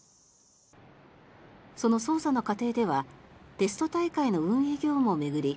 その捜査の過程ではテスト大会の運営業務を巡り